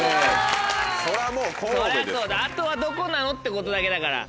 そりゃそうあとはどこなの？ってことだけだから。